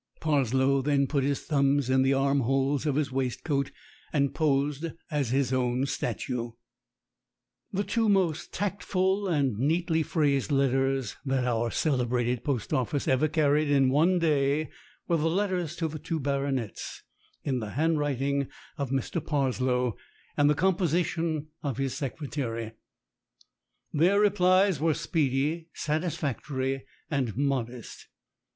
Parslow then put his thumbs in the arm holes of his waistcoat and posed as his own statue. 44 STORIES WITHOUT TEARS ii THE two most tactful and neatly phrased letters that our celebrated post office ever carried in one day were the letters to the two baronets, in the handwriting of Mr. Parslow and the composition of his secretary. Their replies were speedy, satisfactory, and modest.